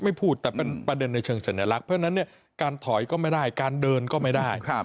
พูดแต่เป็นประเด็นในเชิงสัญลักษณ์เพราะฉะนั้นเนี่ยการถอยก็ไม่ได้การเดินก็ไม่ได้